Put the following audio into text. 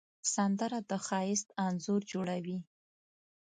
سندره د ښایست انځور جوړوي